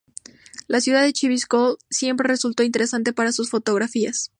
La ciudad de Chivilcoy siempre resultó interesante para sus fotografías.